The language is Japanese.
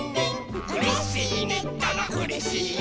「うれしいねったらうれしいよ」